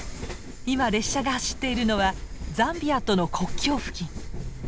今列車が走っているのはザンビアとの国境付近。